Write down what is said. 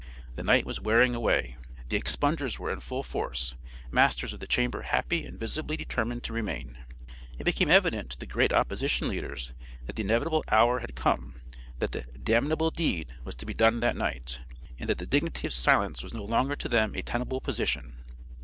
The night was wearing away, the expungers were in full force, masters of the chamber happy and visibly determined to remain. It became evident to the great opposition leaders that the inevitable hour had come that the 'damnable deed was to be done that night,' and that the dignity of silence was no longer to them a tenable position.